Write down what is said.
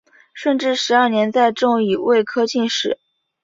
顺治十二年再中乙未科进士。